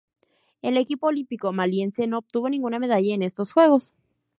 El equipo olímpico maliense no obtuvo ninguna medalla en estos Juegos.